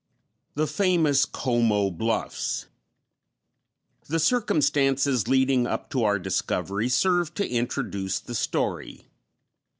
The Famous Como Bluffs. The circumstances leading up to our discovery serve to introduce the story.